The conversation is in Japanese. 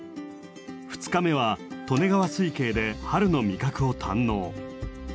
２日目は利根川水系で春の味覚を堪能。